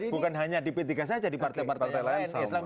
bukan hanya di pp tiga saja di partai partai lain islam tidak